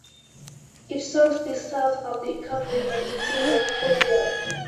It serves the south of the country and Insular Portugal.